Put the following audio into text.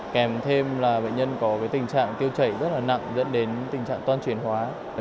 kèm thêm là bệnh nhân có tình trạng tiêu chảy rất là nặng dẫn đến tình trạng toan truyền hóa